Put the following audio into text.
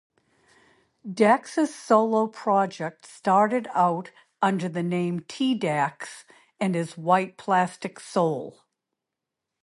Dax's solo project started out under the name T-Daks and His White Plastic Soul.